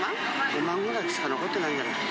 ５万ぐらいしか残ってないんじゃない？